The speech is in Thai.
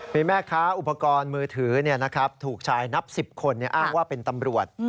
มีแม่ค้าอุปกรณ์มือถือถูกชายนับ๑๐คนอ้างว่าเป็นตำรวจ